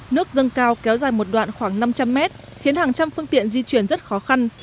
nước dâng cao kéo dài một đoạn khoảng năm trăm linh mét khiến hàng trăm phương tiện di chuyển rất khó khăn